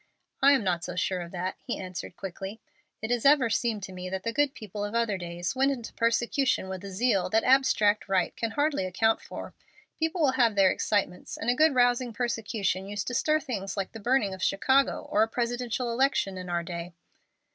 "I am not so sure of that," he answered, quickly. "It has ever seemed to me that the good people of other days went into persecution with a zeal that abstract right can hardly account for. People will have their excitements, and a good rousing persecution used to stir things like the burning of Chicago or a Presidential election in our day."